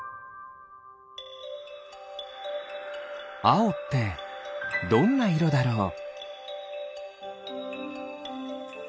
あおってどんないろだろう？